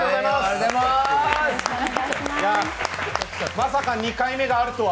まさか２回目があるとは！